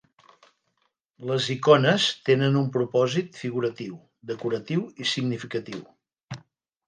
Les icones tenen un propòsit figuratiu, decoratiu i significatiu.